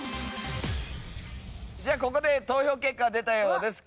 じゃあここで投票結果が出たようです。